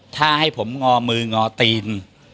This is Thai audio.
ถ้าให้ผมงอมืองอตีน